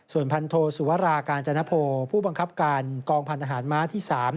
ส่วนพันโทสุวรากาญจนโพผู้บังคับการกองพันธหารม้าที่๓